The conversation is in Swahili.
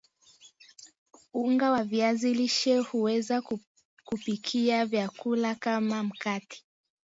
unga wa viazi lishe huweza kupikia vyakula kama mkate